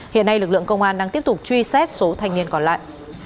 hiện nay lực lượng công an đang tiếp tục truy xét số thanh niên còn lại